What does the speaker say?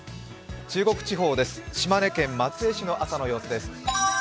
中国地方です、島根県松江市の朝の様子です。